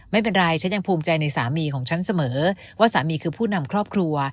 ไม่เป็นไรฉันยังภูมิใจในสามีของฉันเสมอว่าสามีคือผู้นำครอบครัว